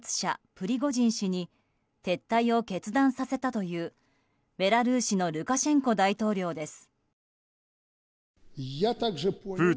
プリゴジン氏に撤退を決断させたというベラルーシのルカシェンコ大統領です。